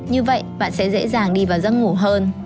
như vậy bạn sẽ dễ dàng đi vào giấc ngủ hơn